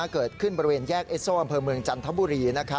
เกิดขึ้นบริเวณแยกเอสโซอำเภอเมืองจันทบุรี